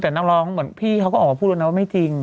แต่นักร้องเหมือนพี่เขาก็ออกมาพูดแล้วนะว่าไม่จริง